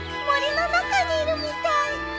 森の中にいるみたい。